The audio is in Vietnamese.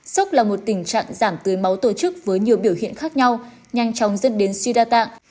sốc là một tình trạng giảm tưới máu tổ chức với nhiều biểu hiện khác nhau nhanh chóng dẫn đến suy đa tạng